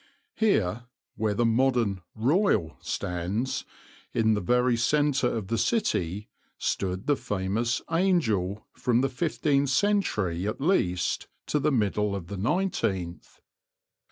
Here, where the modern "Royal" stands, in the very centre of the city, stood the famous "Angel" from the fifteenth century at least to the middle of the nineteenth.